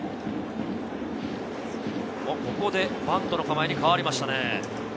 ここでバントの構えに変わりましたね。